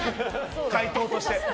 回答として。